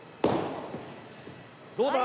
どうだ？